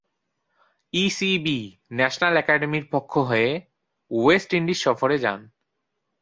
ECB national একাডেমির পক্ষ হয়ে ওয়েস্ট ইন্ডিজ সফরে যান।